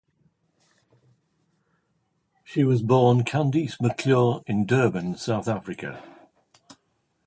She was born Candice McClure in Durban, South Africa.